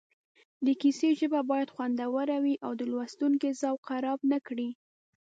د کیسې ژبه باید خوندوره وي او د لوستونکي ذوق خراب نه کړي